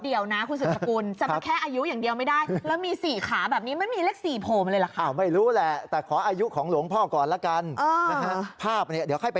เดี๋ยวนะคุณสุธกุลจะมาแค่อายุอย่างเดียวไม่ได้